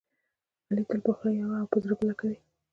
علي تل په خوله یوه او په زړه بله کوي.